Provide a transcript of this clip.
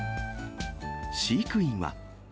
飼育員は。